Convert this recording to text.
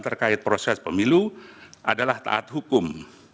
terkait proses pemilu adalah taat hukum